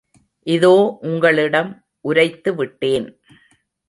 இதோ உங்களிடம் உரைத்து விட்டேன்.